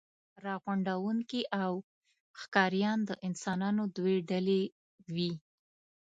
راغونډوونکي او ښکاریان د انسانانو دوې ډلې وې.